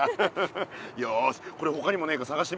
よしこれほかにもねえかさがしてみるべ。